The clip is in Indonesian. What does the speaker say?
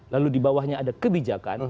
lalu di bawahnya ada kebijakan